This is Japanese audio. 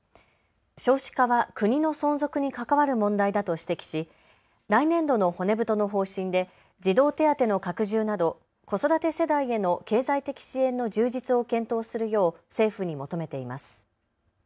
少子化は国の存続に関わる問題だと指摘し、来年度の骨太の方針で児童手当の拡充など子育て世代への経済的支援の充実を検討するよう政府に求めています。